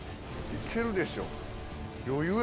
いけるでしょ。